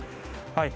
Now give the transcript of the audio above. はい。